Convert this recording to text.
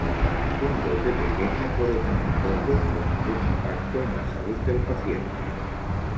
Un golpe pequeño puede tener poco o ningún impacto en la salud del paciente.